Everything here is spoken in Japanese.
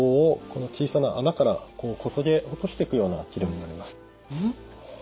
この小さな孔からこそげ落としていくような治療になります。